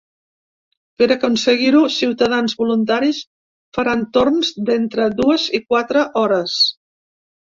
Per aconseguir-ho, ciutadans voluntaris faran torns d’entre dues i quatre hores.